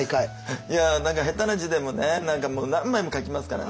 いや何か下手な字でもね何かもう何枚も書きますからね。